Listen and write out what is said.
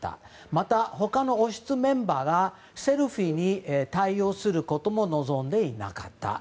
また、他の王室メンバーがセルフィーに対応することも望んでいなかった。